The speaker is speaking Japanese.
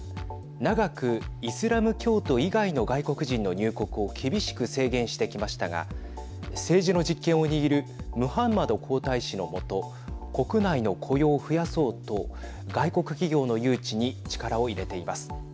長くイスラム教徒以外の外国人の入国を厳しく制限してきましたが政治の実権を握るムハンマド皇太子の下国内の雇用を増やそうと外国企業の誘致に力を入れています。